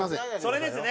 それですね？